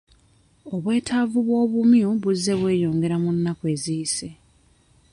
Obwetaavu bw'obumyu buzze bweyongera mu nnaku eziyise.